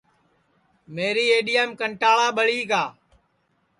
میری اَڈؔیام کنٹاݪا ٻڑی گا